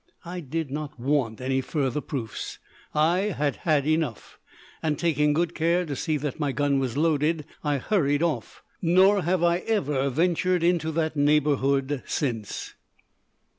I did not want any further proofs I had had enough; and taking good care to see my gun was loaded, I hurried off. Nor have I ever ventured into that neighbourhood since."